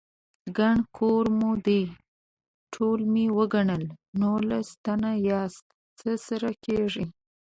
_ګڼ کور مو دی، ټول مې وګڼل، نولس تنه ياست، څه سره کېږئ؟